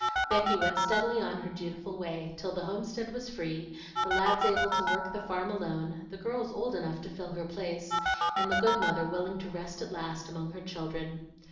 Becky went steadily on her dutiful way, till the homestead was free, the lads able to work the farm alone, the girls old enough to fill her place, and the good mother willing to rest at last among her children.